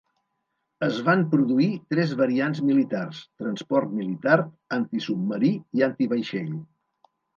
Es van produir tres variants militars: transport militar, antisubmarí i antivaixell.